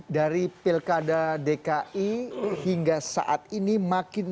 dari pilkada dki hingga saat ini makin